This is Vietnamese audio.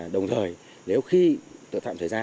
đồng thời nếu khi tội phạm xảy ra